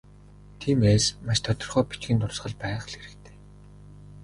Тиймээс, маш тодорхой бичгийн дурсгал байх л хэрэгтэй.